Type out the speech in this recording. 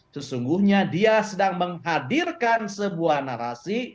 sesungguhnya dia sedang menghadirkan sebuah narasi